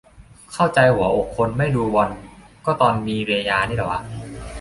เข้าใจหัวอกคนไม่ดูบอล ก็ตอนมีเรยานี่แหละว่ะ